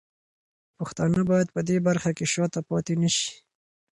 پښتانه باید په دې برخه کې شاته پاتې نه شي.